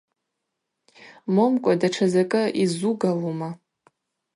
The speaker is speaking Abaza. Момкӏва датша закӏы йзугвалума?